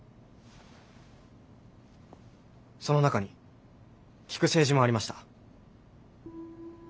その中に聞く政治もありました。